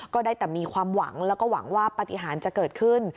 ได้แต่มีความหวังแล้วก็หวังว่าปฏิหารจะเกิดขึ้น